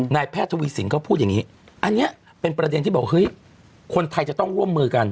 แพทย์ทวีสินเขาพูดอย่างนี้อันนี้เป็นประเด็นที่บอกเฮ้ยคนไทยจะต้องร่วมมือกัน